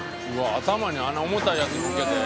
頭にあんな重たいやつのっけて？」